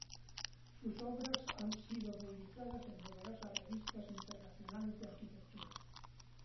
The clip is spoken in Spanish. Sus obras han sido publicadas en numerosas revistas internacionales de Arquitectura.